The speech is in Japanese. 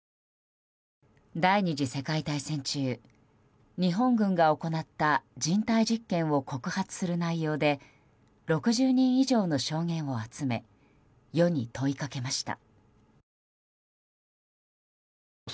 第２次世界大戦中日本軍が行った人体実験を告発する内容で６０人以上の証言を集め世に問いかけました。